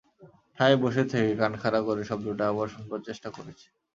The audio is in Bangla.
ঠায় বসে থেকে কান খাড়া করে শব্দটা আবার শুনবার চেষ্টা করেছে।